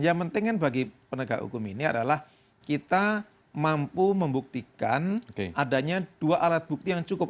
yang penting kan bagi penegak hukum ini adalah kita mampu membuktikan adanya dua alat bukti yang cukup